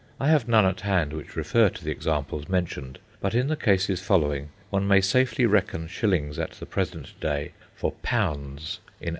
I have none at hand which refer to the examples mentioned, but in the cases following, one may safely reckon shillings at the present day for pounds in 1846.